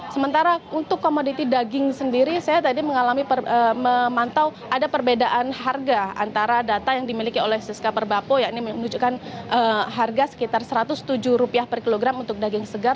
sementara untuk komoditi daging sendiri saya tadi mengalami memantau ada perbedaan harga antara data yang dimiliki oleh siska perbapo yang ini menunjukkan harga sekitar rp satu ratus tujuh per kilogram untuk daging segar